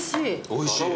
おいしい。